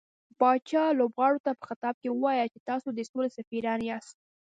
پاچا لوبغاړو ته په خطاب کې وويل چې تاسو د سولې سفيران ياست .